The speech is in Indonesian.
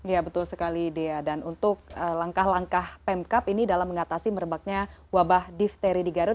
ya betul sekali dea dan untuk langkah langkah pemkap ini dalam mengatasi merebaknya wabah difteri di garut